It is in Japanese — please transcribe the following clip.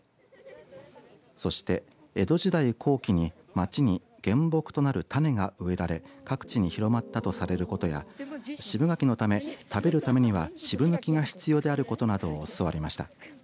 そして江戸時代後期に町に原木となる種が植えられ各地に広まったとされることや渋柿のため食べるためには渋抜きが必要であることなどを教わりました。